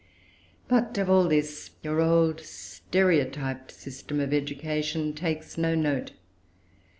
But of all this your old stereotyped system of education takes no note.